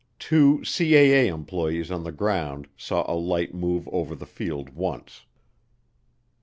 Two CAA employees on the ground saw a light move over the field once.